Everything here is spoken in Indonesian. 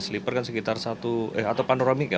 slipper kan sekitar satu eh atau panoramik ya